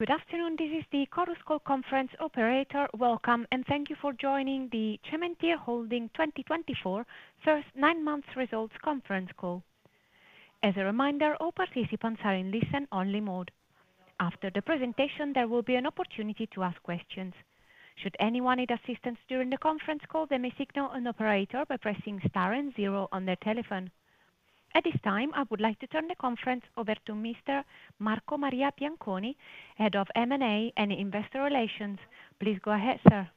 Good afternoon, this is the Chorus Call conference operator. Welcome, and thank you for joining the Cementir Holding 2024 first Nine-Month Results Conference Call. As a reminder, all participants are in listen-only mode. After the presentation, there will be an opportunity to ask questions. Should anyone need assistance during the conference call, they may signal an operator by pressing star and zero on their telephone. At this time, I would like to turn the conference over to Mr. Marco Maria Bianconi, Head of M&A and Investor Relations. Please go ahead, sir.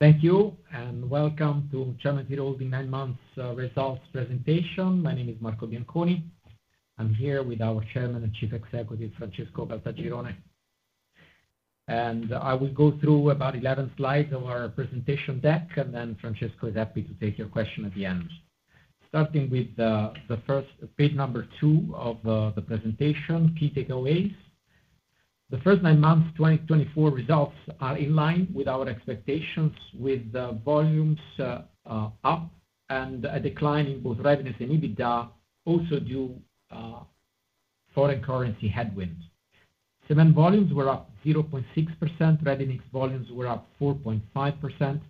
Thank you, and welcome to Cementir Holding nine-month results presentation. My name is Marco Bianconi. I'm here with our Chairman and Chief Executive, Francesco Caltagirone. And I will go through about 11 slides of our presentation deck, and then Francesco is happy to take your question at the end. Starting with the first, page number two of the presentation, key takeaways. The first nine-month 2024 results are in line with our expectations, with volumes up and a decline in both revenues and EBITDA also due to foreign currency headwinds. Cement volumes were up 0.6%, revenues volumes were up 4.5%,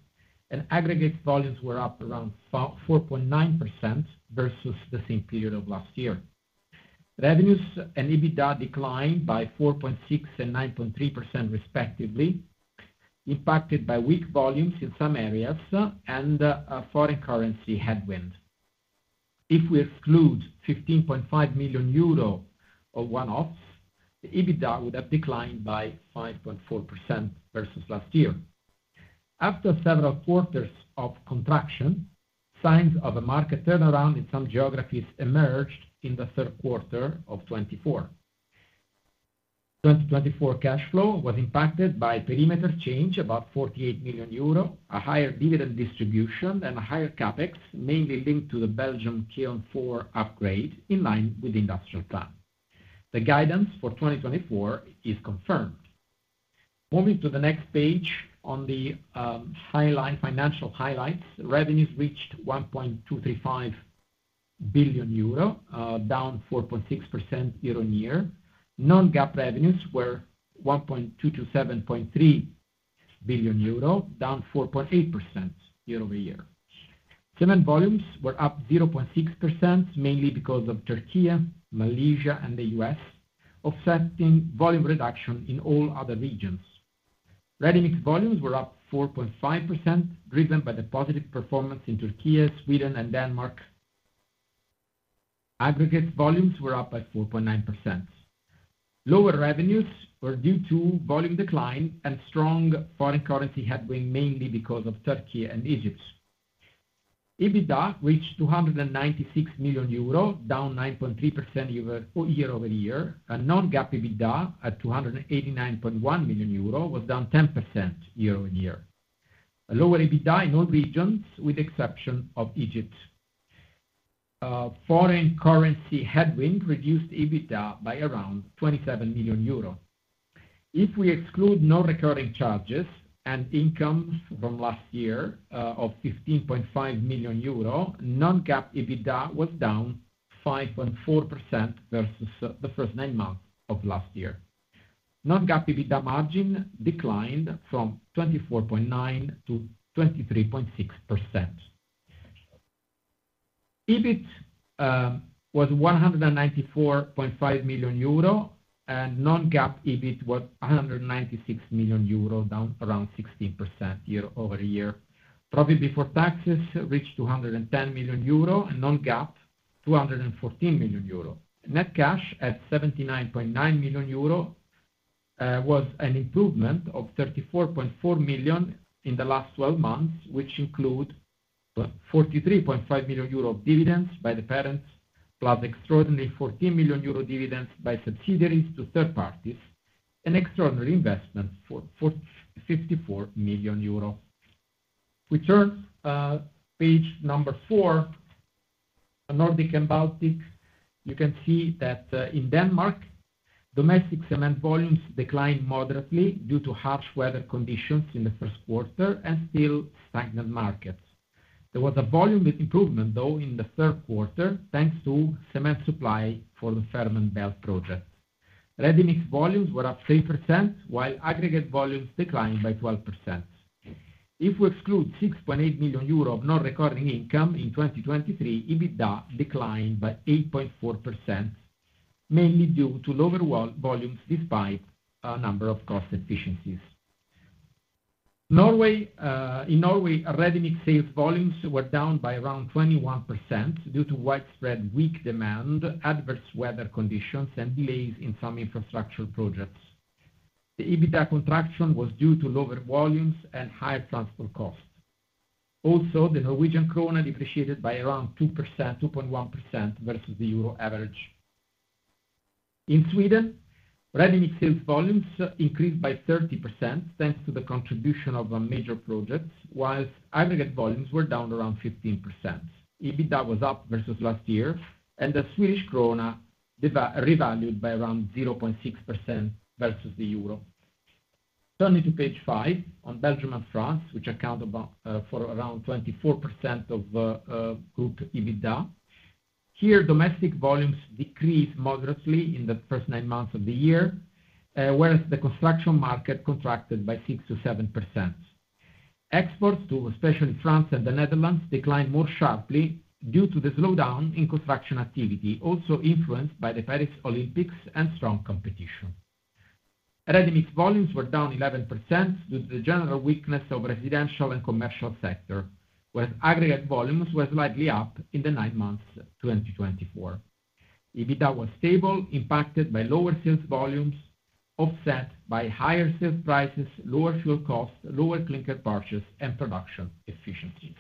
and aggregate volumes were up around 4.9% versus the same period of last year. Revenues and EBITDA declined by 4.6% and 9.3%, respectively, impacted by weak volumes in some areas and foreign currency headwinds. If we exclude 15.5 million euro of one-offs, the EBITDA would have declined by 5.4% versus last year. After several quarters of contraction, signs of a market turnaround in some geographies emerged in the third quarter of 2024. 2024 cash flow was impacted by perimeter change, about 48 million euro, a higher dividend distribution, and a higher CapEx, mainly linked to the Belgium Kiln 4 upgrade in line with the industrial plan. The guidance for 2024 is confirmed. Moving to the next page on the headline financial highlights, revenues reached 1.235 billion euro, down 4.6% year on year. Non-GAAP revenues were 1,227.3 billion euro, down 4.8% year over year. Cement volumes were up 0.6%, mainly because of Türkiye, Malaysia, and the US, offsetting volume reduction in all other regions. Ready-mix volumes were up 4.5%, driven by the positive performance in Türkiye, Sweden, and Denmark. Aggregate volumes were up by 4.9%. Lower revenues were due to volume decline and strong foreign currency headwinds, mainly because of Türkiye and Egypt. EBITDA reached 296 million euro, down 9.3% year over year. Non-GAAP EBITDA at 289.1 million euro was down 10% year on year. Lower EBITDA in all regions, with the exception of Egypt. Foreign currency headwinds reduced EBITDA by around 27 million euros. If we exclude non-recurring charges and income from last year of 15.5 million euro, Non-GAAP EBITDA was down 5.4% versus the first nine months of last year. Non-GAAP EBITDA margin declined from 24.9% to 23.6%. EBIT was 194.5 million euro, and Non-GAAP EBIT was 196 million euro, down around 16% year over year. Profit before taxes reached 210 million euro, and Non-GAAP 214 million euro. Net cash at 79.9 million euro was an improvement of 34.4 million in the last 12 months, which includes 43.5 million euro of dividends by the parents, plus extraordinary 14 million euro dividends by subsidiaries to third parties, and extraordinary investments for 54 million euro. We turn to page number four, Nordic and Baltic. You can see that in Denmark, domestic cement volumes declined moderately due to harsh weather conditions in the first quarter and still stagnant markets. There was a volume improvement, though, in the third quarter, thanks to cement supply for the Fehmarn Belt project. Ready-mix volumes were up 3%, while aggregate volumes declined by 12%. If we exclude 6.8 million euro of non-recurring income in 2023, EBITDA declined by 8.4%, mainly due to lower volumes despite a number of cost efficiencies. In Norway, ready-mix sales volumes were down by around 21% due to widespread weak demand, adverse weather conditions, and delays in some infrastructure projects. The EBITDA contraction was due to lower volumes and higher transport costs. Also, the Norwegian krone depreciated by around 2%, 2.1%, versus the euro average. In Sweden, ready-mix sales volumes increased by 30%, thanks to the contribution of major projects, while aggregate volumes were down around 15%. EBITDA was up versus last year, and the Swedish krona revalued by around 0.6% versus the euro. Turning to page five on Belgium and France, which account for around 24% of group EBITDA. Here, domestic volumes decreased moderately in the first nine months of the year, whereas the construction market contracted by 6%-7%. Exports to, especially France and the Netherlands, declined more sharply due to the slowdown in construction activity, also influenced by the Paris Olympics and strong competition. Ready-mix volumes were down 11% due to the general weakness of the residential and commercial sector, whereas aggregate volumes were slightly up in the nine months 2024. EBITDA was stable, impacted by lower sales volumes, offset by higher sales prices, lower fuel costs, lower clinker purchase, and production efficiencies.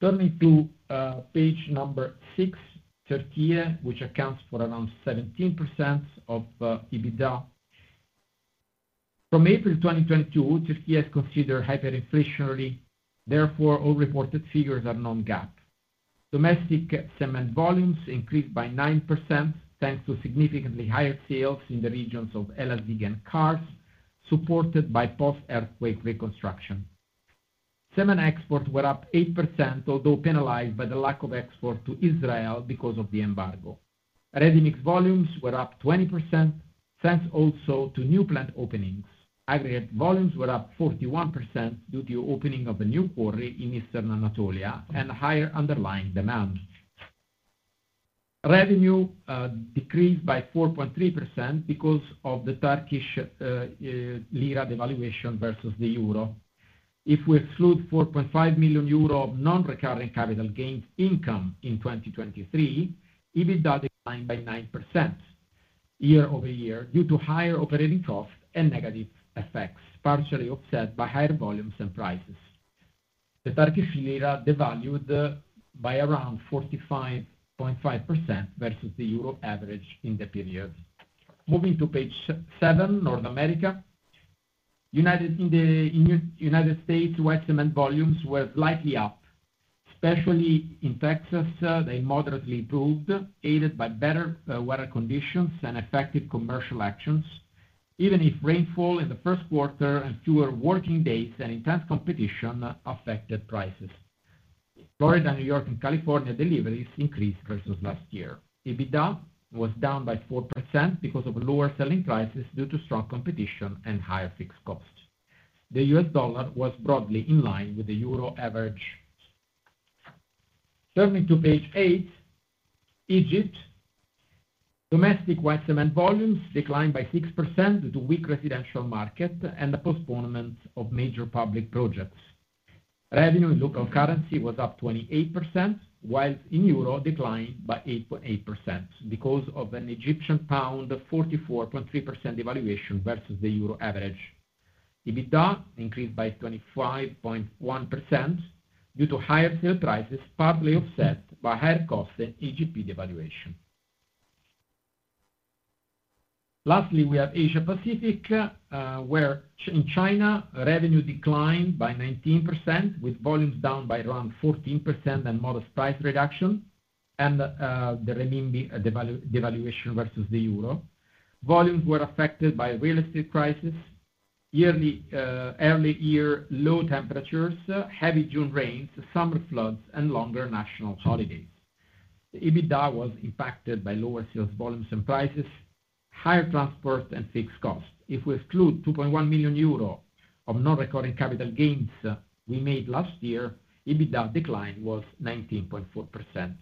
Turning to page number six, Türkiye, which accounts for around 17% of EBITDA. From April 2022, Türkiye is considered hyperinflationary. Therefore, all reported figures are non-GAAP. Domestic cement volumes increased by 9%, thanks to significantly higher sales in the regions of Elazığ and Kars, supported by post-earthquake reconstruction. Cement exports were up 8%, although penalized by the lack of export to Israel because of the embargo. Ready-mix volumes were up 20%, thanks also to new plant openings. Aggregate volumes were up 41% due to the opening of a new quarry in Eastern Anatolia and higher underlying demand. Revenue decreased by 4.3% because of the Turkish lira devaluation versus the euro. If we exclude 4.5 million euro of non-recurring capital gains income in 2023, EBITDA declined by 9% year over year due to higher operating costs and negative effects, partially offset by higher volumes and prices. The Turkish lira devalued by around 45.5% versus the euro average in the period. Moving to page seven, North America. In the United States, white cement volumes were slightly up, especially in Texas. They moderately improved, aided by better weather conditions and effective commercial actions, even if rainfall in the first quarter and fewer working days and intense competition affected prices. Florida, New York, and California deliveries increased versus last year. EBITDA was down by 4% because of lower selling prices due to strong competition and higher fixed costs. The US dollar was broadly in line with the euro average. Turning to page eight, Egypt. Domestic white cement volumes declined by 6% due to weak residential market and the postponement of major public projects. Revenue in local currency was up 28%, while in euro declined by 8.8% because of an Egyptian pound 44.3% devaluation versus the euro average. EBITDA increased by 25.1% due to higher sale prices, partly offset by higher costs and EGP devaluation. Lastly, we have Asia-Pacific, where in China, revenue declined by 19%, with volumes down by around 14% and modest price reduction, and the renminbi devaluation versus the euro. Volumes were affected by real estate crisis, early year low temperatures, heavy June rains, summer floods, and longer national holidays. EBITDA was impacted by lower sales volumes and prices, higher transport and fixed costs. If we exclude 2.1 million euro of non-recurring capital gains we made last year, EBITDA decline was 19.4%.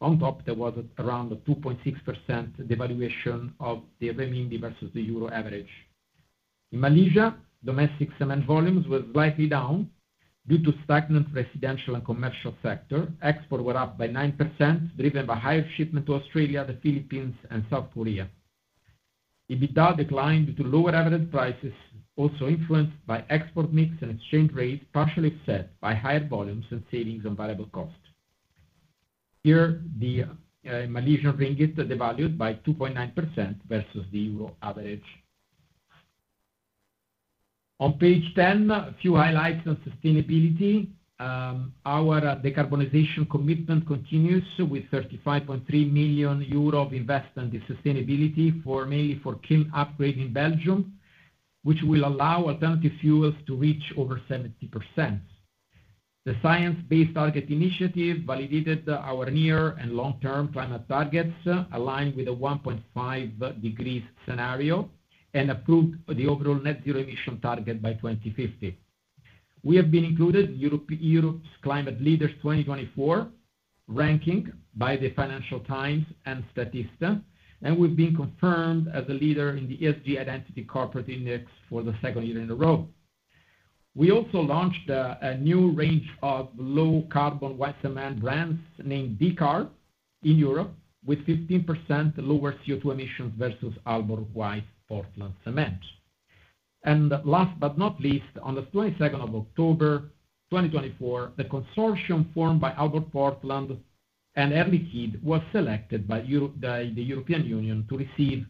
On top, there was around a 2.6% devaluation of the renminbi versus the euro average. In Malaysia, domestic cement volumes were slightly down due to stagnant residential and commercial sector. Exports were up by 9%, driven by higher shipment to Australia, the Philippines, and South Korea. EBITDA declined due to lower average prices, also influenced by export mix and exchange rate, partially offset by higher volumes and savings on variable cost. Here, the Malaysian ringgit devalued by 2.9% versus the euro average. On page 10, a few highlights on sustainability. Our decarbonization commitment continues with 35.3 million euro of investment in sustainability, mainly for kiln upgrade in Belgium, which will allow alternative fuels to reach over 70%. The Science Based Targets initiative validated our near and long-term climate targets, aligned with a 1.5-degree scenario, and approved the overall net zero emission target by 2050. We have been included in Europe's Climate Leaders 2024 ranking by the Financial Times and Statista, and we've been confirmed as a leader in the ESG Identity Corporate Index for the second year in a row. We also launched a new range of low-carbon white cement brands named D-Carb in Europe, with 15% lower CO2 emissions versus Aalborg White Portland cement. Last but not least, on the 22nd of October 2024, the consortium formed by Aalborg Portland and Air Liquide was selected by the European Union to receive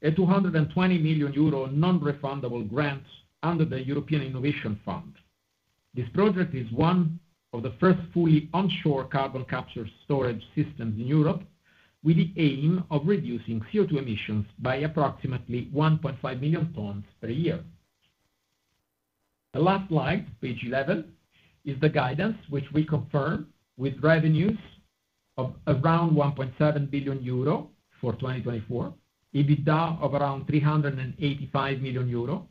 a 220 million euro non-refundable grant under the European Innovation Fund. This project is one of the first fully onshore carbon capture storage systems in Europe, with the aim of reducing CO2 emissions by approximately 1.5 million tons per year. The last slide, page 11, is the guidance, which we confirm with revenues of around 1.7 billion euro for 2024, EBITDA of around 385 million euro,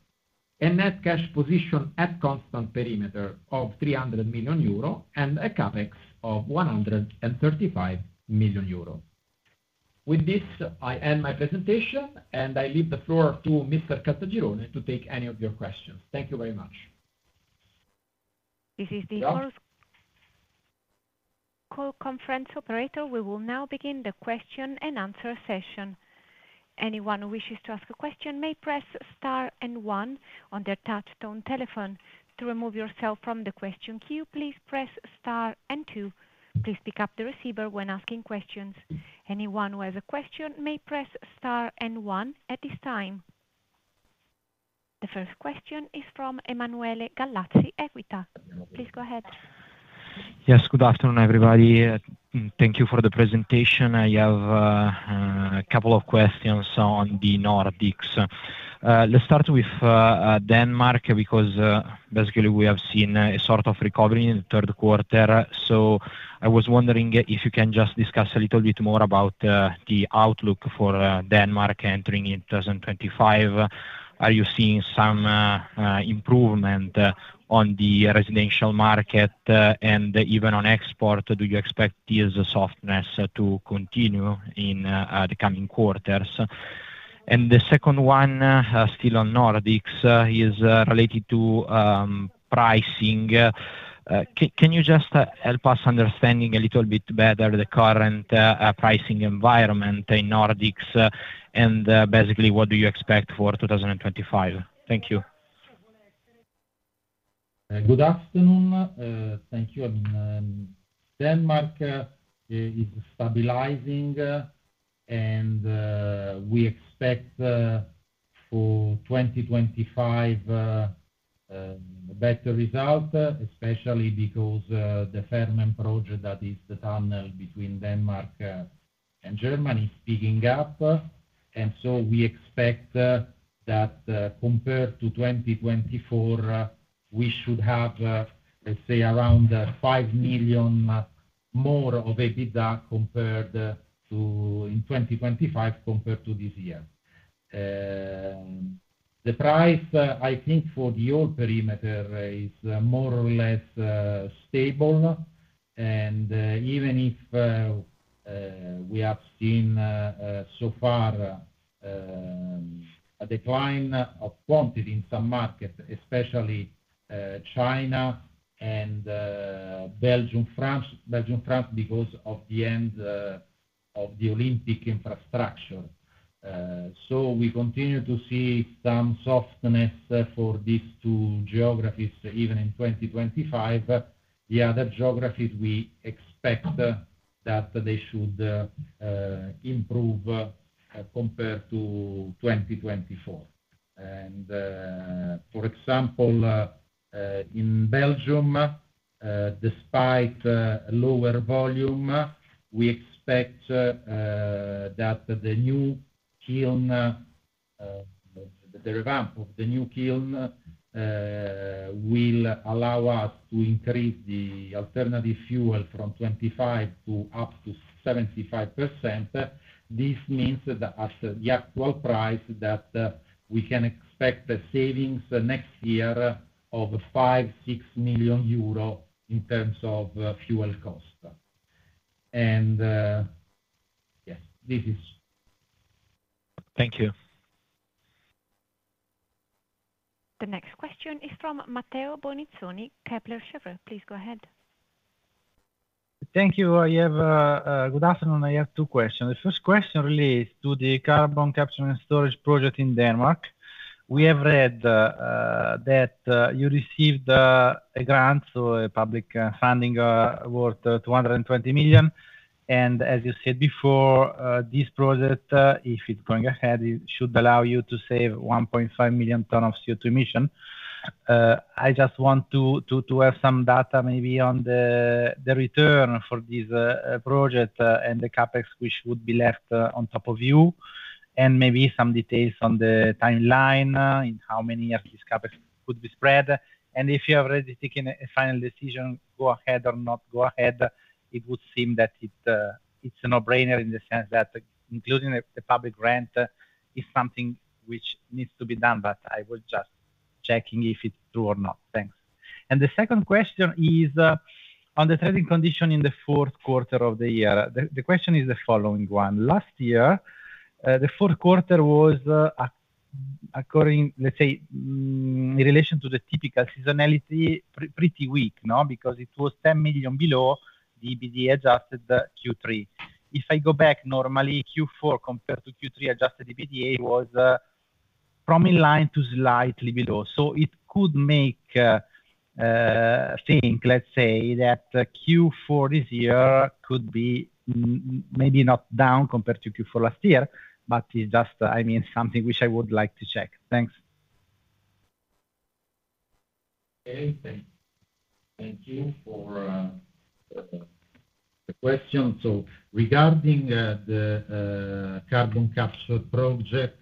and net cash position at constant perimeter of 300 million euro and a CapEx of 135 million euro. With this, I end my presentation, and I leave the floor to Mr. Caltagirone to take any of your questions. Thank you very much. This is the conference call operator. We will now begin the question and answer session. Anyone who wishes to ask a question may press star and one on their touch-tone telephone. To remove yourself from the question queue, please press star and two. Please pick up the receiver when asking questions. Anyone who has a question may press star and one at this time. The first question is from Emanuele Gallazzi, Equita. Please go ahead. Yes, good afternoon, everybody. Thank you for the presentation. I have a couple of questions on the Nordics. Let's start with Denmark because basically we have seen a sort of recovery in the third quarter. So I was wondering if you can just discuss a little bit more about the outlook for Denmark entering in 2025. Are you seeing some improvement on the residential market and even on export? Do you expect this softness to continue in the coming quarters? And the second one, still on Nordics, is related to pricing. Can you just help us understanding a little bit better the current pricing environment in Nordics and basically what do you expect for 2025? Thank you. Good afternoon. Thank you. I mean, Denmark is stabilizing, and we expect for 2025 a better result, especially because the Fehmarn project, that is the tunnel between Denmark and Germany, is picking up. And so we expect that compared to 2024, we should have, let's say, around 5 million more of EBITDA in 2025 compared to this year. The price, I think, for the old perimeter is more or less stable. And even if we have seen so far a decline of quantity in some markets, especially China and Belgium and France, because of the end of the Olympic infrastructure. So we continue to see some softness for these two geographies even in 2025. The other geographies, we expect that they should improve compared to 2024. And for example, in Belgium, despite lower volume, we expect that the new kiln, the revamp of the new kiln will allow us to increase the alternative fuel from 25% to up to 75%. This means that at the actual price that we can expect savings next year of 5 million-6 million euro in terms of fuel cost. And yes, this is. Thank you. The next question is from Matteo Bonizzoni, Kepler Cheuvreux. Please go ahead. Thank you. Good afternoon. I have two questions. The first question really is to the carbon capture and storage project in Denmark. We have read that you received a grant, so a public funding worth 220 million. As you said before, this project, if it's going ahead, should allow you to save 1.5 million tons of CO2 emission. I just want to have some data maybe on the return for this project and the CapEx which would be left on top of you, and maybe some details on the timeline in how many years this CapEx could be spread. If you have already taken a final decision, go ahead or not go ahead, it would seem that it's a no-brainer in the sense that including the public grant is something which needs to be done. But I was just checking if it's true or not. Thanks. The second question is on the trading condition in the fourth quarter of the year. The question is the following one. Last year, the fourth quarter was, let's say, in relation to the typical seasonality, pretty weak because it was 10 million below the EBITDA adjusted Q3. If I go back, normally Q4 compared to Q3 adjusted EBITDA was from in line to slightly below. So it could make think, let's say, that Q4 this year could be maybe not down compared to Q4 last year, but it's just, I mean, something which I would like to check. Thanks. Okay. Thank you for the question. So regarding the carbon capture project,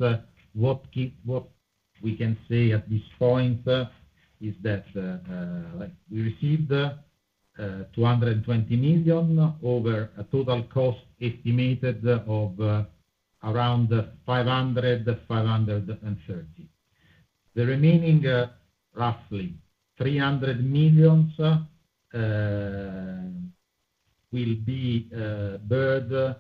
what we can say at this point is that we received 220 million over a total cost estimated of around 500-530. The remaining roughly 300 million will be borrowed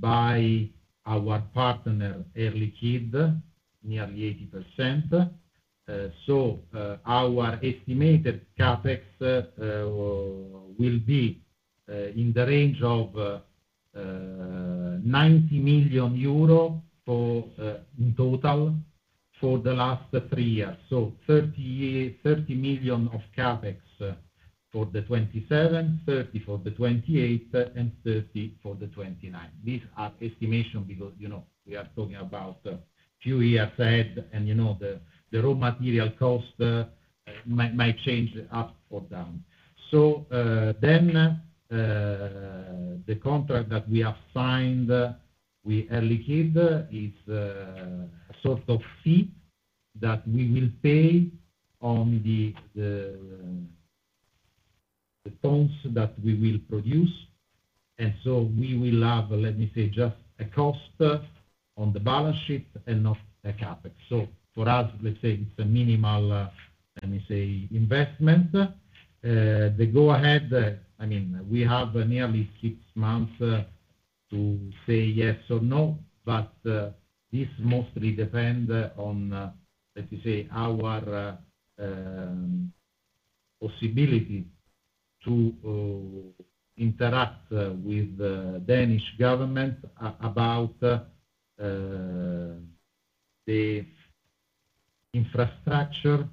by our partner, Air Liquide, nearly 80%. So our estimated CapEx will be in the range of 90 million euro in total for the last three years. 30 million of CapEx for the 2027, 30 million for the 2028, and 30 million for the 2029. These are estimations because we are talking about a few years ahead, and the raw material cost might change up or down. Then the contract that we have signed with Air Liquide is a sort of fee that we will pay on the tons that we will produce. We will have, let me say, just a cost on the balance sheet and not a CapEx. For us, let's say it's a minimal, let me say, investment. The go-ahead, I mean, we have nearly six months to say yes or no, but this mostly depends on, let's say, our possibility to interact with the Danish government about the infrastructure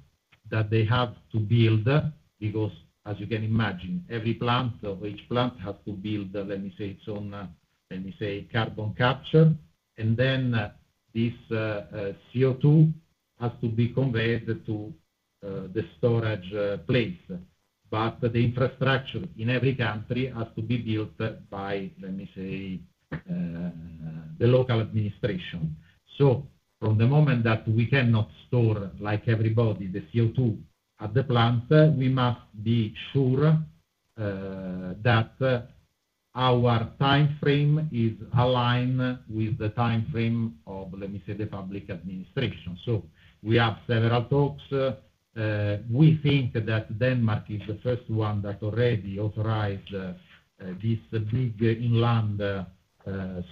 that they have to build because, as you can imagine, every plant or each plant has to build, let me say, its own, let me say, carbon capture. And then this CO2 has to be conveyed to the storage place. But the infrastructure in every country has to be built by, let me say, the local administration. So from the moment that we cannot store like everybody the CO2 at the plant, we must be sure that our time frame is aligned with the time frame of, let me say, the public administration. So we have several talks. We think that Denmark is the first one that already authorized this big inland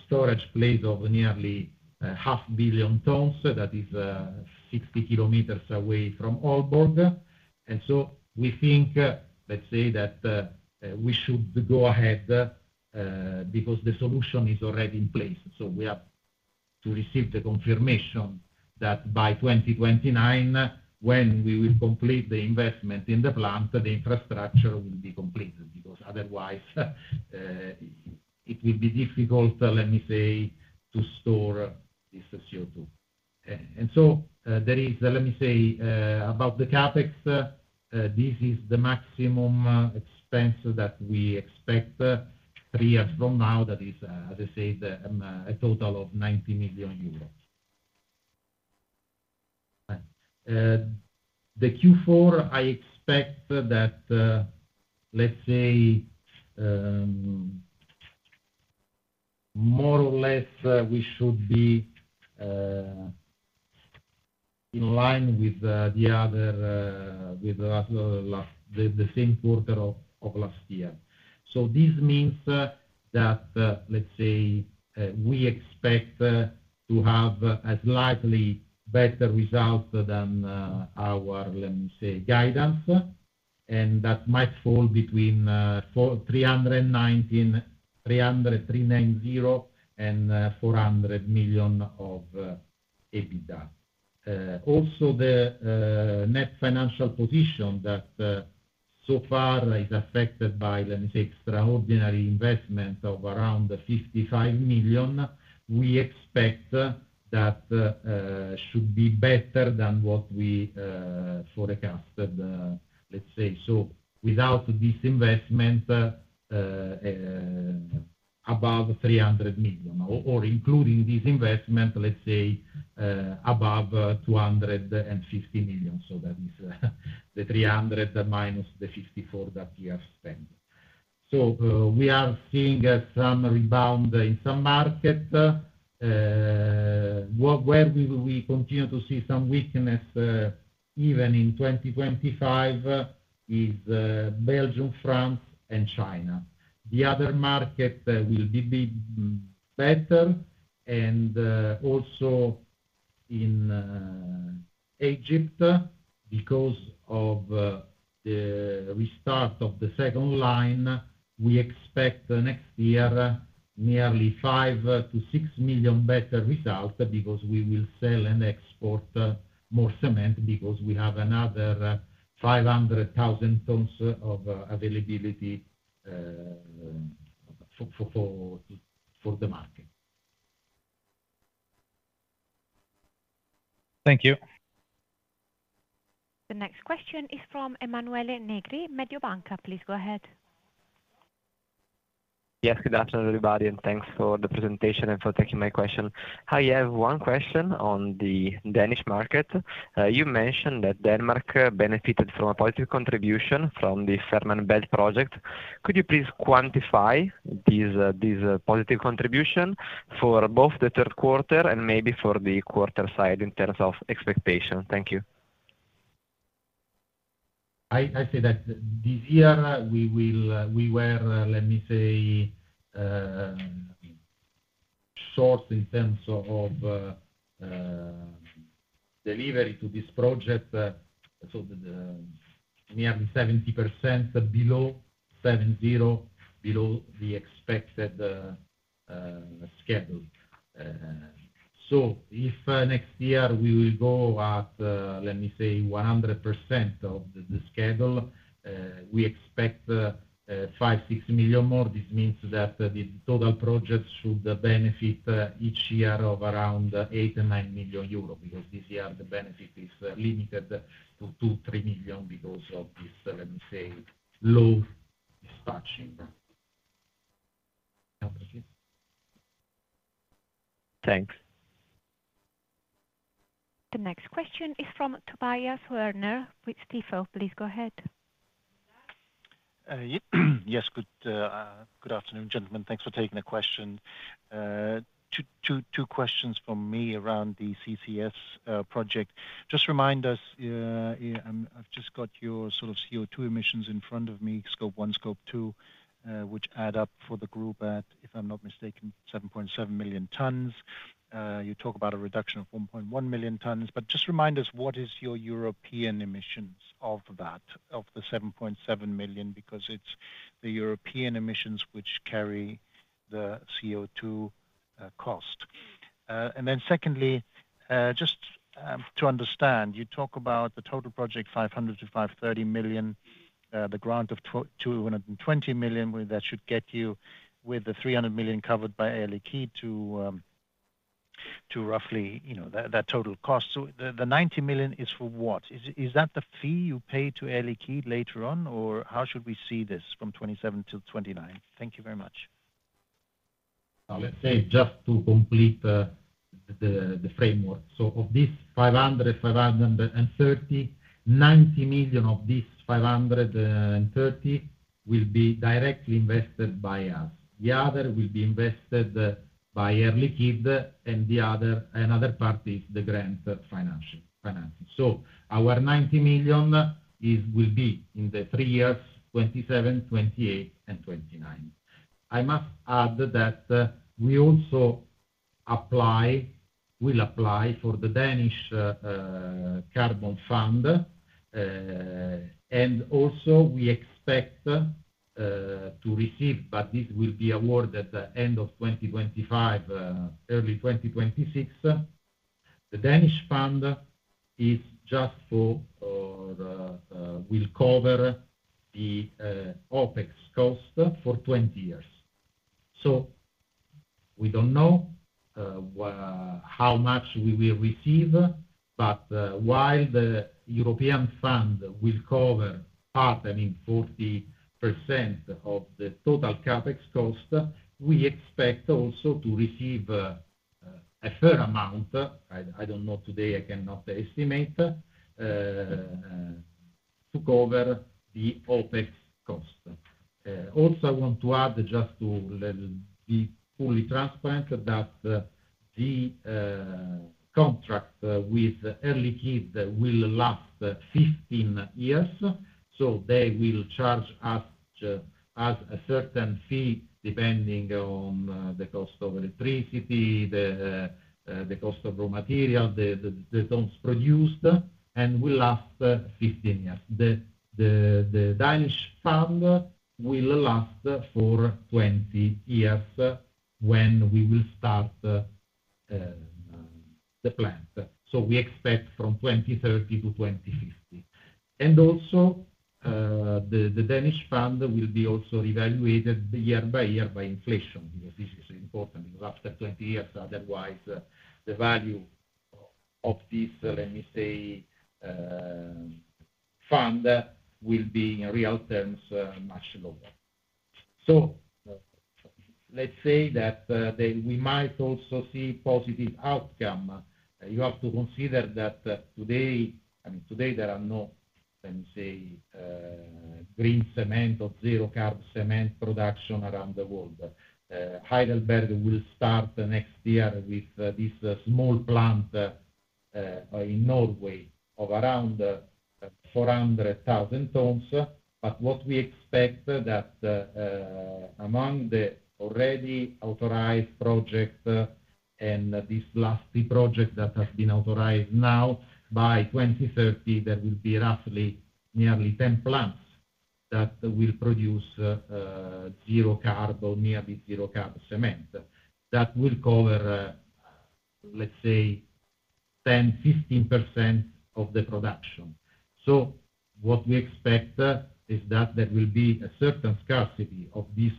storage place of nearly 500,000 tons that is 60 km away from Aalborg. And so we think, let's say, that we should go ahead because the solution is already in place. So we have to receive the confirmation that by 2029, when we will complete the investment in the plant, the infrastructure will be completed because otherwise it will be difficult, let me say, to store this CO2. And so there is, let me say, about the CapEx, this is the maximum expense that we expect three years from now. That is, as I said, a total of 90 million euros. The Q4, I expect that, let's say, more or less we should be in line with the other with the same quarter of last year. This means that, let's say, we expect to have a slightly better result than our, let me say, guidance, and that might fall between 390 million and 400 million of EBITDA. Also, the net financial position that so far is affected by, let me say, extraordinary investment of around 55 million, we expect that should be better than what we forecasted, let's say. Without this investment above 300 million or including this investment, let's say, above 250 million. That is the 300 minus the 54 that we have spent. We are seeing some rebound in some markets. Where we will continue to see some weakness even in 2025 is Belgium, France, and China. The other market will be better. And also in Egypt, because of the restart of the second line, we expect next year nearly 5 million-6 million better result because we will sell and export more cement because we have another 500,000 tons of availability for the market. Thank you. The next question is from Emanuele Negri, Mediobanca. Please go ahead. Yes, good afternoon, everybody. And thanks for the presentation and for taking my question. I have one question on the Danish market. You mentioned that Denmark benefited from a positive contribution from the Fehmarn Belt project. Could you please quantify this positive contribution for both the third quarter and maybe for the quarter side in terms of expectation? Thank you. I say that this year we were, let me say, short in terms of delivery to this project, so near 70% below, 70 below the expected schedule. So if next year we will go at, let me say, 100% of the schedule, we expect 5 million-6 million. This means that the total project should benefit each year of around 8 and 9 million euro because this year the benefit is limited to 2 million-3 million because of this, let me say, low dispatching. Thank you. Thanks. The next question is from Tobias Woerner with Stifel. Please go ahead. Yes. Good afternoon, gentlemen. Thanks for taking the question. Two questions from me around the CCS project. Just remind us, I've just got your sort of CO2 emissions in front of me, Scope 1, Scope 2, which add up for the group at, if I'm not mistaken, 7.7 million tons. You talk about a reduction of 1.1 million tons. But just remind us, what is your European emissions of that, of the 7.7 million? Because it's the European emissions which carry the CO2 cost. And then secondly, just to understand, you talk about the total project 500-530 million, the grant of 220 million that should get you with the 300 million covered by Air Liquide to roughly that total cost. So the 90 million is for what? Is that the fee you pay to Air Liquide later on, or how should we see this from 2027 to 2029? Thank you very much. Let's say just to complete the framework. So of this 500, 530, 90 million of this 530 will be directly invested by us. The other will be invested by Air Liquide, and the other part is the grant financing. So our 90 million will be in the three years, 2027, 2028, and 2029. I must add that we also apply, will apply for the Danish carbon fund, and also we expect to receive, but this will be awarded end of 2025, early 2026. The Danish fund is just for or will cover the OpEx cost for 20 years. So we don't know how much we will receive, but while the European fund will cover part and in 40% of the total CapEx cost, we expect also to receive a fair amount. I don't know today. I cannot estimate to cover the OpEx cost. Also, I want to add just to be fully transparent that the contract with Air Liquide will last 15 years. So they will charge us a certain fee depending on the cost of electricity, the cost of raw material, the tons produced, and will last 15 years. The Danish fund will last for 20 years when we will start the plant. So we expect from 2030 to 2050. And also, the Danish fund will be also evaluated year by year by inflation because this is important because after 20 years, otherwise the value of this, let me say, fund will be in real terms much lower. So let's say that we might also see positive outcome. You have to consider that today, I mean, today there are no, let me say, green cement or zero carbon cement production around the world. Heidelberg will start next year with this small plant in Norway of around 400,000. But what we expect is that among the already authorized project and this last project that has been authorized now, by 2030, there will be roughly nearly 10 plants that will produce zero carbon, nearly zero carbon cement that will cover, let's say, 10-15% of the production. So what we expect is that there will be a certain scarcity of this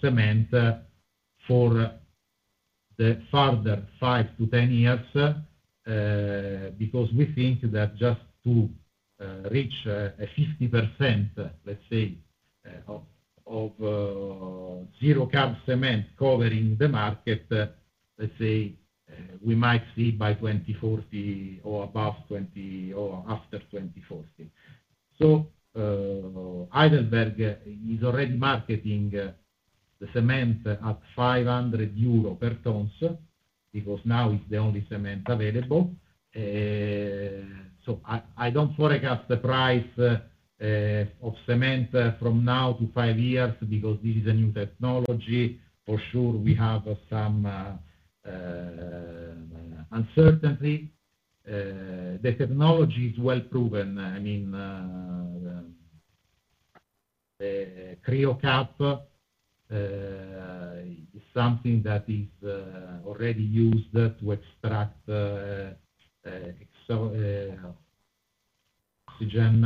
cement for the further 5 to 10 years because we think that just to reach a 50%, let's say, of zero carbon cement covering the market, let's say, we might see by 2040 or above 20 or after 2040. So Heidelberg is already marketing the cement at 500 euro per tons because now it is the only cement available. So I don't forecast the price of cement from now to five years because this is a new technology. For sure, we have some uncertainty. The technology is well proven. I mean, Cryocap is something that is already used to extract oxygen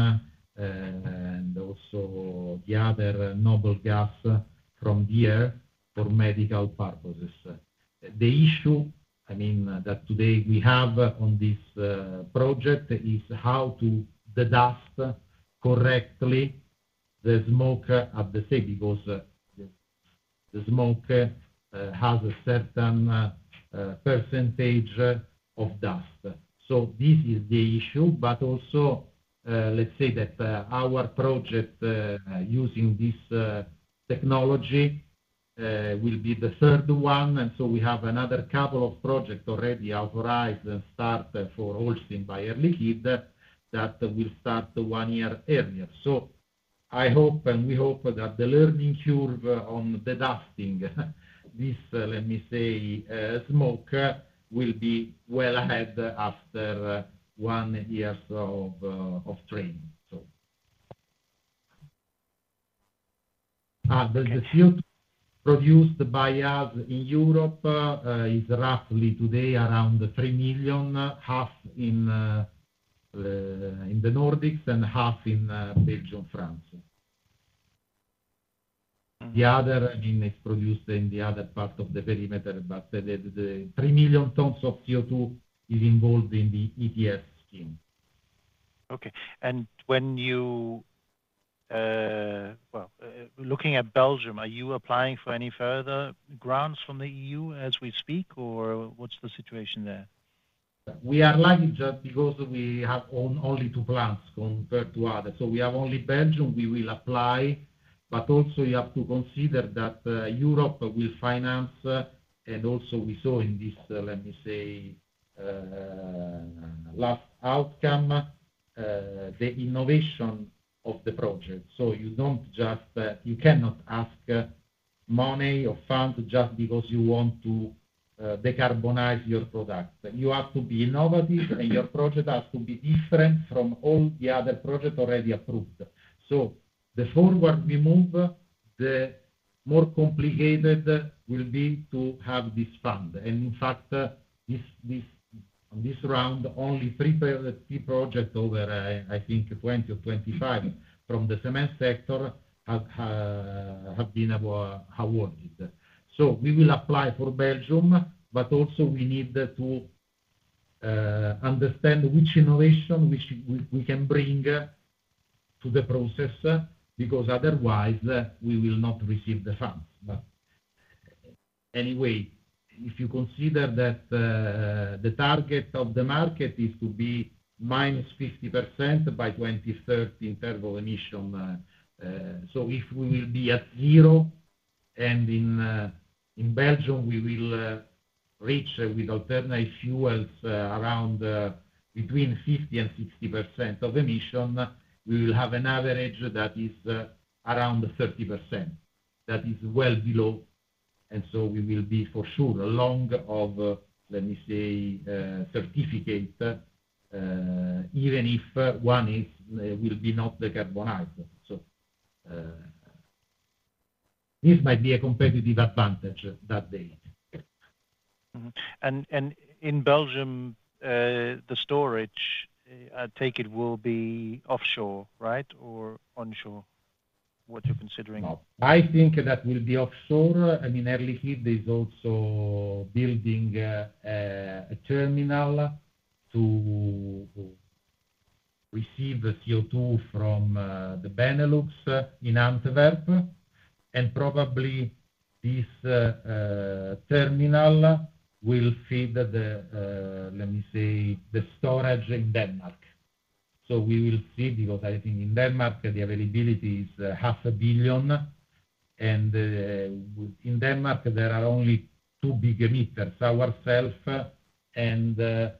and also the other noble gas from the air for medical purposes. The issue, I mean, that today we have on this project is how to dust correctly the smoke at the sea because the smoke has a certain percentage of dust. So this is the issue, but also, let's say that our project using this technology will be the third one, and so we have another couple of projects already authorized and started for Holcim by Air Liquide that will start one year earlier. So I hope and we hope that the learning curve on the dusting, this, let me say, smoke will be well ahead after one year of training. The CO2 produced by us in Europe is roughly today around three million, half in the Nordics and half in Belgium, France. The other means is produced in the other part of the perimeter, but the three million tons of CO2 is involved in the ETS scheme. Okay. And when you're looking at Belgium, are you applying for any further grants from the EU as we speak, or what's the situation there? We are lucky because we have only two plants compared to others. So we have only Belgium. We will apply. But also you have to consider that Europe will finance. And also we saw in this, let me say, last outcome, the innovation of the project. So you cannot ask money or funds just because you want to decarbonize your product. You have to be innovative, and your project has to be different from all the other projects already approved. So the further we move, the more complicated it will be to have this fund. And in fact, on this round, only three projects over, I think, 20 or 25 from the cement sector have been awarded. So we will apply for Belgium, but also we need to understand which innovation we can bring to the process because otherwise we will not receive the funds. But anyway, if you consider that the target of the market is to be minus 50% by 2030 in terms of emission, so if we will be at zero and in Belgium we will reach with alternative fuels around between 50% and 60% of emission, we will have an average that is around 30%. That is well below. And so we will be for sure long of, let me say, certificate, even if one will be not decarbonized. So this might be a competitive advantage that day. In Belgium, the storage, I take it, will be offshore, right, or onshore? What you're considering? I think that will be offshore. I mean, Air Liquide is also building a terminal to receive the CO2 from the Benelux in Antwerp. And probably this terminal will feed the, let me say, the storage in Denmark. We will see because I think in Denmark the availability is 500 million. In Denmark, there are only two big emitters, ourselves and a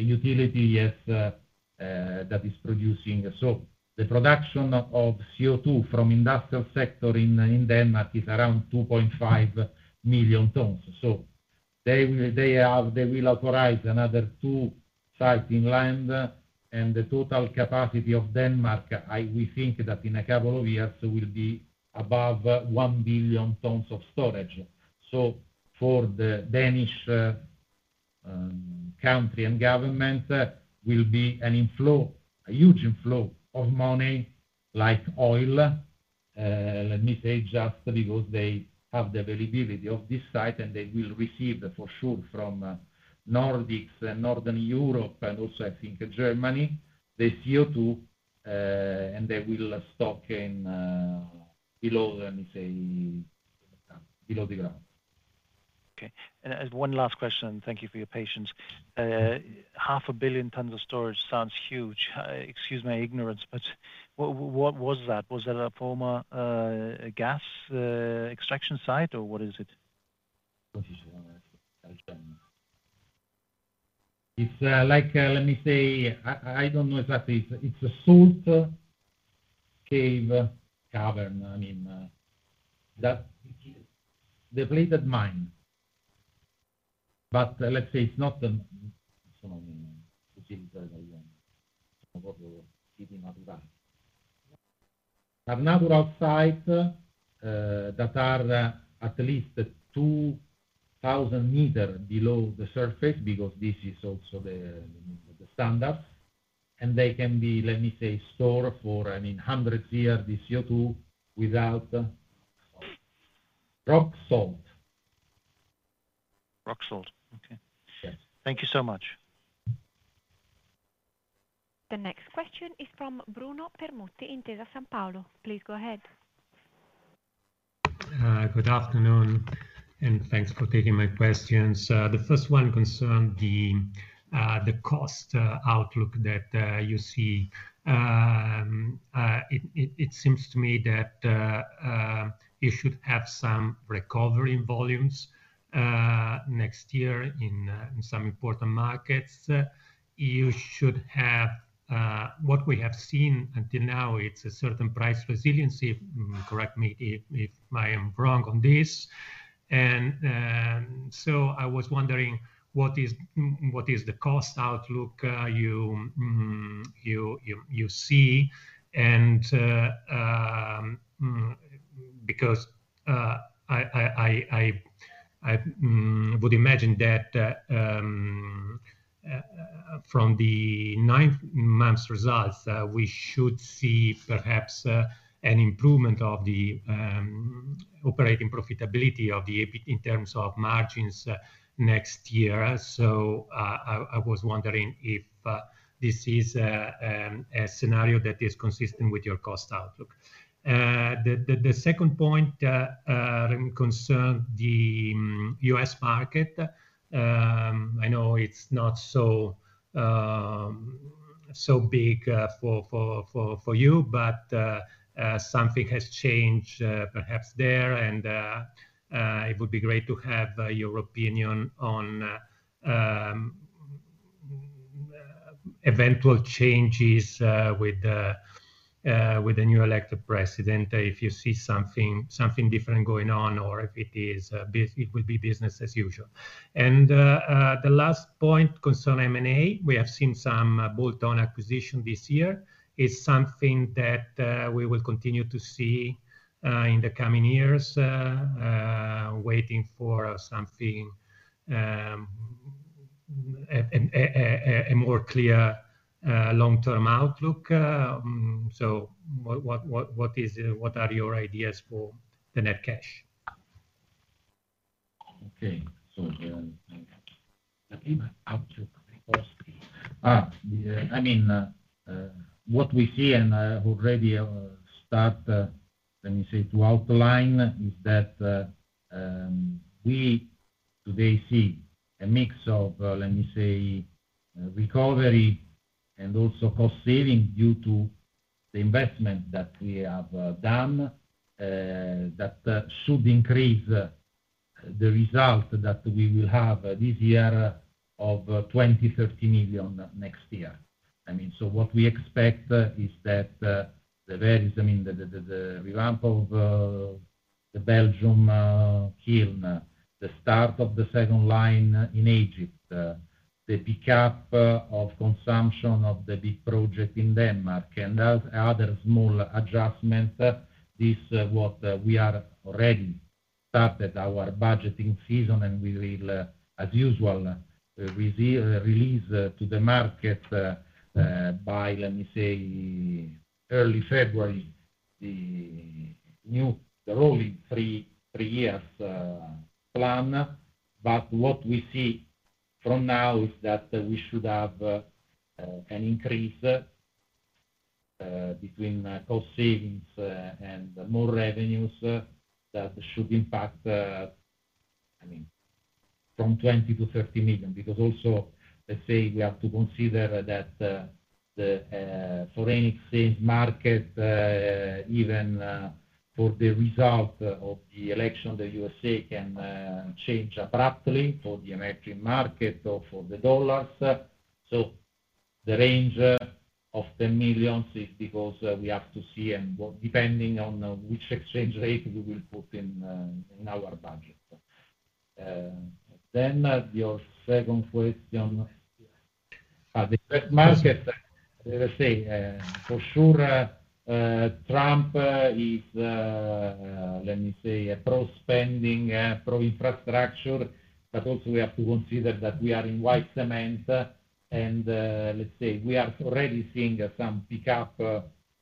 utility that is producing. The production of CO2 from the industrial sector in Denmark is around 2.5 million tons. They will authorize another two sites inland. The total capacity of Denmark, we think that in a couple of years will be above 1 billion tons of storage. So for the Danish country and government, will be an inflow, a huge inflow of money like oil, let me say, just because they have the availability of this site and they will receive for sure from Nordics and Northern Europe and also, I think, Germany, the CO2, and they will stock in below, let me say, below the ground. Okay. And one last question. Thank you for your patience. 500 million tons of storage sounds huge. Excuse my ignorance, but what was that? Was that a former gas extraction site or what is it? It's like, let me say, I don't know exactly. It's a salt cave cavern. I mean, that's depleted mine. But let's say it's not a natural site that are at least 2,000 meters below the surface because this is also the standard. They can be, let me say, stored for, I mean, hundreds of years the CO2 without rock salt. Rock salt. Okay. Thank you so much. The next question is from Bruno Permutti at Intesa Sanpaolo. Please go ahead. Good afternoon, and thanks for taking my questions. The first one concerns the cost outlook that you see. It seems to me that you should have some recovery volumes next year in some important markets. You should have what we have seen until now, it's a certain price resiliency. Correct me if I am wrong on this. And so I was wondering what is the cost outlook you see? And because I would imagine that from the nine months' results, we should see perhaps an improvement of the operating profitability of the EBIT in terms of margins next year. So I was wondering if this is a scenario that is consistent with your cost outlook? The second point concerns the US market. I know it's not so big for you, but something has changed perhaps there. And it would be great to have your opinion on eventual changes with the new elected president if you see something different going on or if it would be business as usual. And the last point concerning M&A, we have seen some bolt-on acquisition this year. It's something that we will continue to see in the coming years, waiting for something, a more clear long-term outlook. So what are your ideas for the net cash? Okay. So the outlook for Holcim. I mean, what we see and already start, let me say, to outline is that we today see a mix of, let me say, recovery and also cost saving due to the investment that we have done that should increase the result that we will have this year of 20 million-30 million next year. I mean, so what we expect is that the various, I mean, the revamp of the Belgian kiln, the start of the second line in Egypt, the pickup of consumption of the big project in Denmark, and other small adjustments. This is what we are already started our budgeting season, and we will, as usual, release to the market by, let me say, early February, the rolling three-year plan. But what we see from now is that we should have an increase between cost savings and more revenues that should impact, I mean, 20 million-30 million. Because also, let's say, we have to consider that the foreign exchange market, even for the result of the election, the USA can change abruptly for the American market or for the dollars. So the range of 10 million is because we have to see and depending on which exchange rate we will put in our budget. Then your second question. The market, let's say, for sure, Trump is, let me say, pro-spending, pro-infrastructure. But also we have to consider that we are in white cement, and let's say we are already seeing some pickup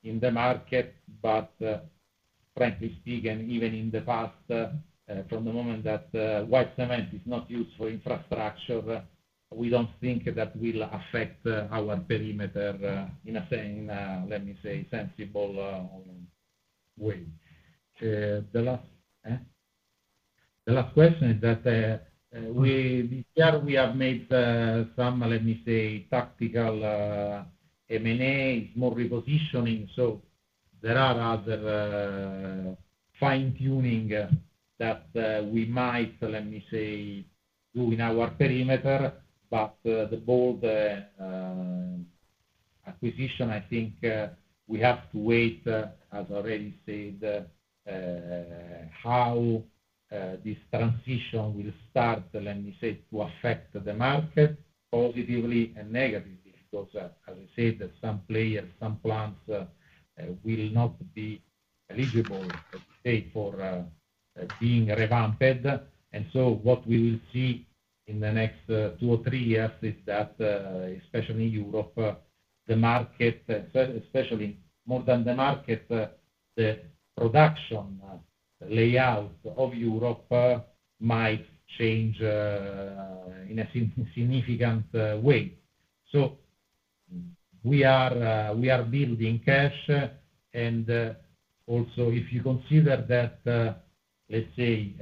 in the market. But frankly speaking, even in the past, from the moment that white cement is not used for infrastructure, we don't think that will affect our perimeter in a, let me say, sensible way. The last question is that this year we have made some, let me say, tactical M&As, more repositioning. So there are other fine-tuning that we might, let me say, do in our perimeter. But the bold acquisition, I think we have to wait, as already said, how this transition will start, let me say, to affect the market positively and negatively because, as I said, some players, some plants will not be eligible for being revamped. And so what we will see in the next two or three years is that, especially in Europe, the market, especially more than the market, the production layout of Europe might change in a significant way. So we are building cash. Also, if you consider that, let's say,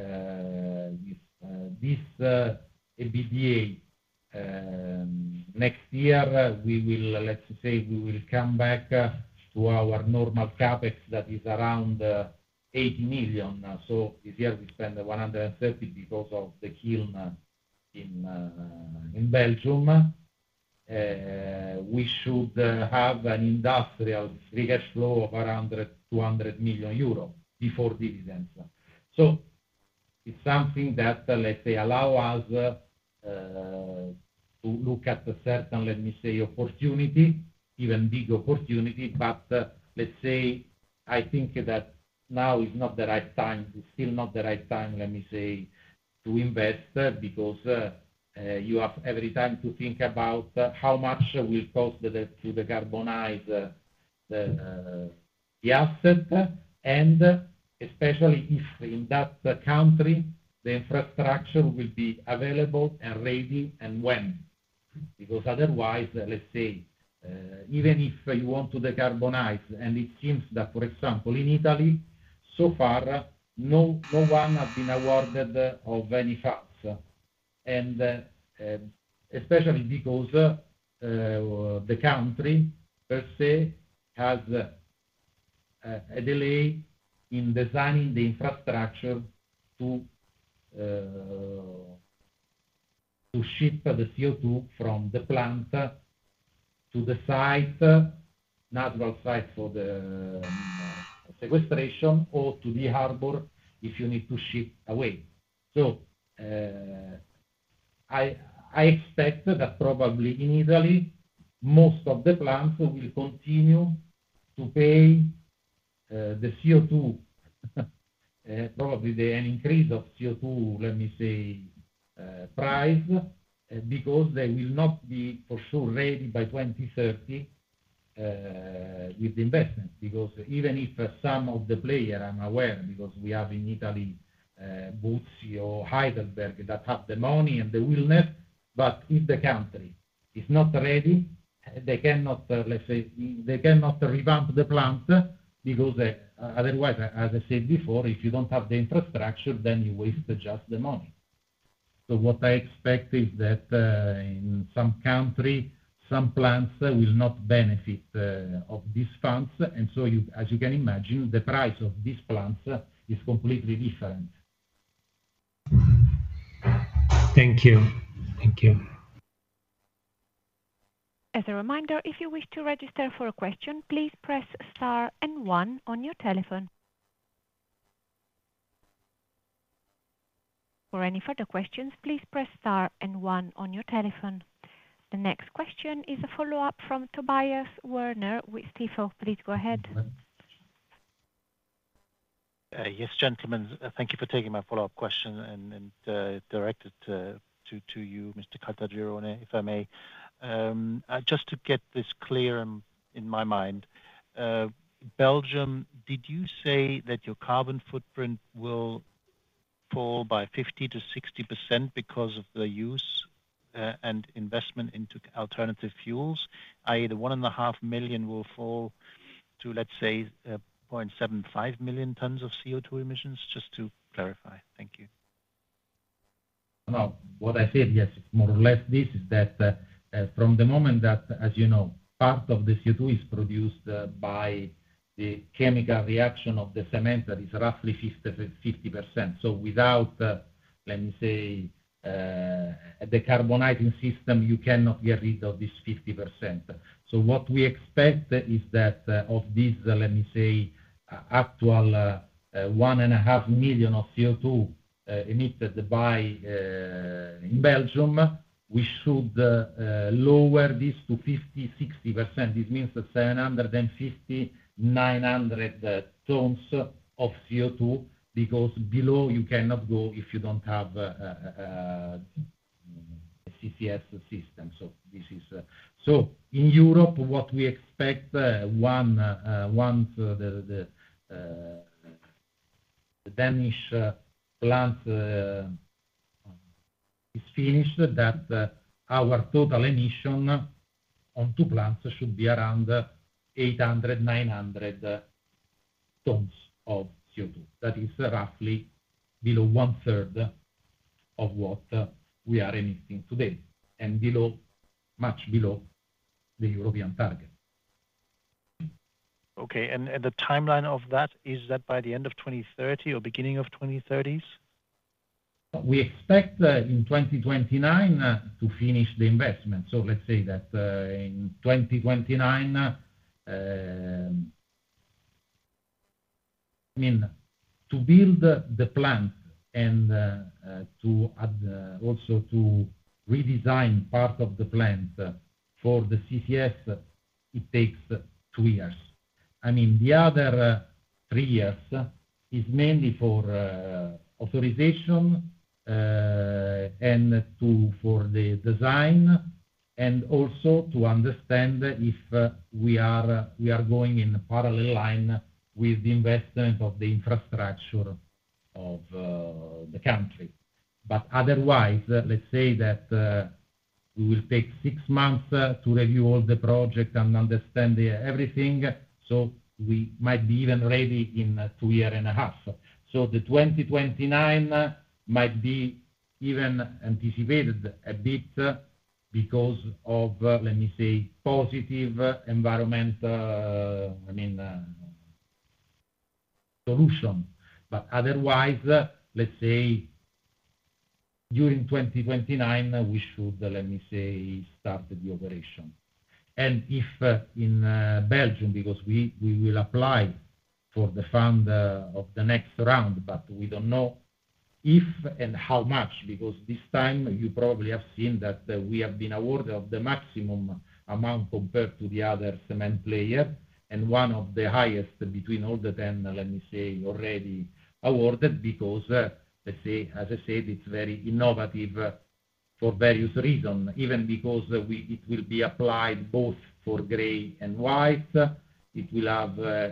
this EBITDA next year, let's say we will come back to our normal CapEx that is around 80 million. So this year we spend 130 million because of the kiln in Belgium. We should have an industrial free cash flow of around 200 million euros before dividends. So it's something that, let's say, allows us to look at a certain, let me say, opportunity, even big opportunity. But let's say I think that now is not the right time, still not the right time, let me say, to invest because you have every time to think about how much will cost to decarbonize the asset. And especially if in that country the infrastructure will be available and ready and when. Because otherwise, let's say, even if you want to decarbonize, and it seems that, for example, in Italy, so far, no one has been awarded of any funds, and especially because the country per se has a delay in designing the infrastructure to ship the CO2 from the plant to the site, natural site for the sequestration or to the harbor if you need to ship away, so I expect that probably in Italy, most of the plants will continue to pay the CO2, probably the increase of CO2, let me say, price because they will not be for sure ready by 2030 with the investment. Because even if some of the players, I'm aware because we have in Italy Buzzi or Heidelberg that have the money and the willingness, but if the country is not ready, they cannot, let's say, they cannot revamp the plant because otherwise, as I said before, if you don't have the infrastructure, then you waste just the money. So what I expect is that in some country, some plants will not benefit of these funds. And so as you can imagine, the price of these plants is completely different. Thank you. Thank you. As a reminder, if you wish to register for a question, please press star and one on your telephone. For any further questions, please press star and one on your telephone. The next question is a follow-up from Tobias Woerner with Stifel. Please go ahead. Yes, gentlemen, thank you for taking my follow-up question and directed to you, Mr. Caltagirone, if I may. Just to get this clear in my mind, Belgium, did you say that your carbon footprint will fall by 50%-60% because of the use and investment into alternative fuels? I mean, the one and a half million will fall to, let's say, 0.75 million tons of CO2 emissions? Just to clarify. Thank you. What I said, yes, more or less this is that from the moment that, as you know, part of the CO2 is produced by the chemical reaction of the cement that is roughly 50%. So without, let me say, the carbon capture system, you cannot get rid of this 50%. So what we expect is that of this, let me say, actual one and a half million of CO2 emitted in Belgium, we should lower this to 50-60%. This means 750-900 tons of CO2 because below you cannot go if you don't have a CCS system. So this is so in Europe, what we expect once the Danish plant is finished, that our total emission on two plants should be around 800-900 tons of CO2. That is roughly below one-third of what we are emitting today and much below the European target. Okay. And the timeline of that, is that by the end of 2030 or beginning of 2030s? We expect in 2029 to finish the investment. So let's say that in 2029, I mean, to build the plant and also to redesign part of the plant for the CCS, it takes two years. I mean, the other three years is mainly for authorization and for the design and also to understand if we are going in parallel line with the investment of the infrastructure of the country, but otherwise, let's say that we will take six months to review all the projects and understand everything, so we might be even ready in two years and a half, so the 2029 might be even anticipated a bit because of, let me say, positive environmental, I mean, solution, but otherwise, let's say during 2029, we should, let me say, start the operation. If in Belgium, because we will apply for the fund of the next round, but we don't know if and how much because this time you probably have seen that we have been awarded the maximum amount compared to the other cement player and one of the highest between all the 10, let me say, already awarded because, as I said, it's very innovative for various reasons. Even because it will be applied both for gray and white. It will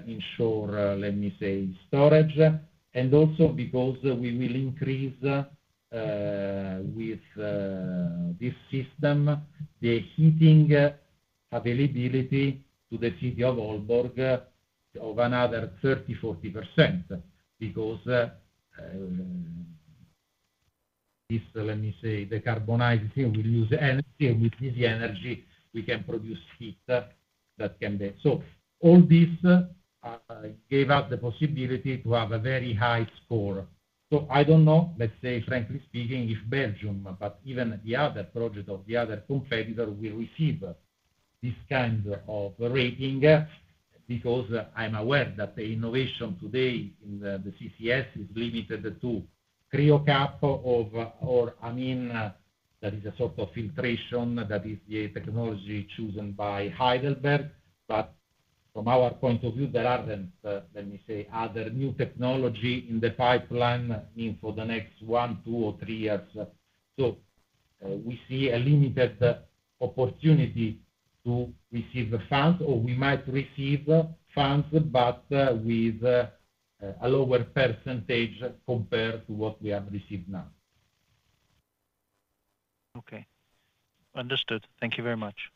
ensure, let me say, storage. And also because we will increase with this system the heating availability to the city of Aalborg of another 30%-40% because this, let me say, the carbonizing will use energy. With this energy, we can produce heat that can be. So all this gave us the possibility to have a very high score. So I don't know, let's say, frankly speaking, if Belgium, but even the other project of the other competitor will receive this kind of rating because I'm aware that the innovation today in the CCS is limited to Cryocap or, I mean, that is a sort of filtration that is the technology chosen by Heidelberg. But from our point of view, there aren't, let me say, other new technology in the pipeline for the next one, two, or three years. So we see a limited opportunity to receive funds or we might receive funds, but with a lower percentage compared to what we have received now. Okay. Understood. Thank you very much.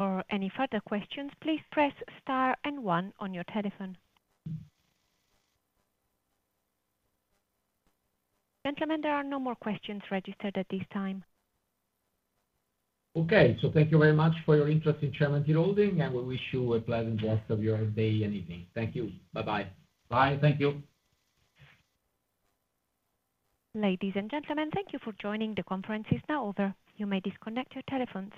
For any further questions, please press star and one on your telephone. Gentlemen, there are no more questions registered at this time. Okay. So, thank you very much for your interest in Cementir Holding, and we wish you a pleasant rest of your day and evening. Thank you. Bye-bye. Bye. Thank you. Ladies and gentlemen, thank you for joining the conference. It's now over. You may disconnect your telephone.